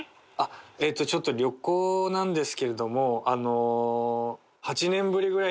えーっとちょっと旅行なんですけれどもあの。